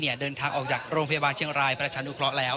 เดินทางออกจากโรงพยาบาลเชียงรายประชานุเคราะห์แล้ว